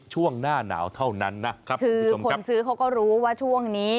ช่วงหน้าหนาวเท่านั้นนะครับคุณผู้ชมครับคุณผู้ซื้อเขาก็รู้ว่าช่วงนี้